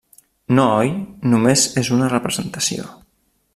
No, oi?, només és una representació.